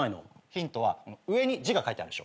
ヒントは上に字が書いてあるでしょ。